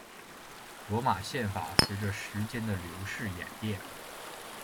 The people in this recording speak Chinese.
罗马宪法随着时间的流逝演变。